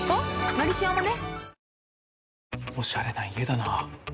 「のりしお」もね